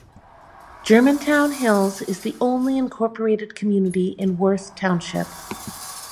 Germantown Hills is the only incorporated community in Worth Township.